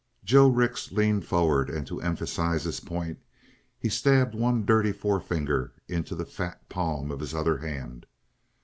Joe Rix leaned forward, and to emphasize his point he stabbed one dirty forefinger into the fat palm of his other hand.